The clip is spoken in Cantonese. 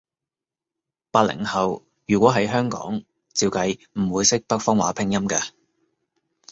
八零後，如果喺香港，照計唔會識北方話拼音㗎